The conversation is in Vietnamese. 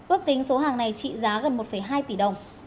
ước tính số hàng này trị giá gần một hai tỷ đồng